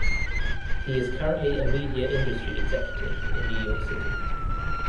He is currently a media industry executive in New York City.